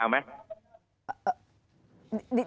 เอาไหม